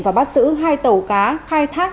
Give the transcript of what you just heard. và bắt giữ hai tàu cá khai thác